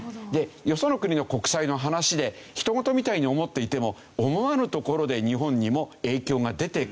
よその国の国債の話で人ごとみたいに思っていても思わぬところで日本にも影響が出てくる。